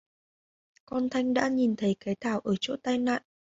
con thanh đã nhìn thấy cái thảo ở chỗ tai nạn